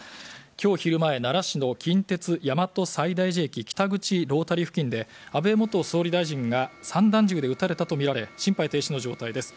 今日昼前、奈良市の近鉄大和西大寺駅北口ロータリー付近で安倍元総理大臣が散弾銃で撃たれたとみられ心肺停止の状態です。